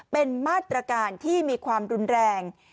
เป็นมาตรการที่มีความรุนแรง